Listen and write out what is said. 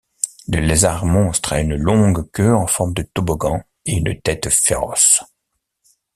Le lézard-monstre a une longue queue en forme de toboggan et une tête féroce.